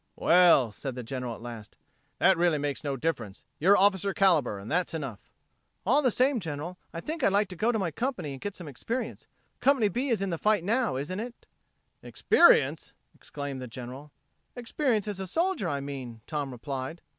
"Well," said the General at last, "that really makes no difference. You're officer caliber, and that's enough." "All the same, General, I think I'd like to go to my company, and get some experience. Company B is in the fight now, isn't it?" "Experience!" exclaimed the General. "Experience as a soldier, I mean," Tom replied.